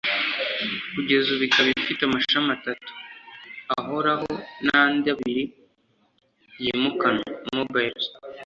Kugeza ubu ikaba ifite amashami atatu ahorahon’andi abiri yimukanwa (mobiles)